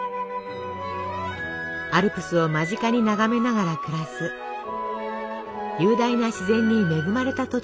アルプスを間近に眺めながら暮らす雄大な自然に恵まれた土地なんです。